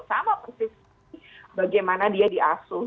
sama persis bagaimana dia diasuh